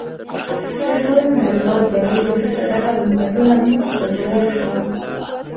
تر دویمې نړیوالې جګړې وروسته دغه بنسټونه مخ په زوال شول.